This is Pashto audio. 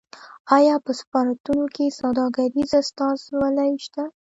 آیا په سفارتونو کې سوداګریزې استازولۍ شته؟